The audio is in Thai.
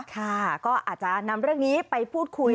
ค่ะก็อาจจะนำเรื่องนี้ไปพูดคุย